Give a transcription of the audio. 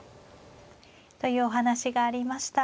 というお話がありました。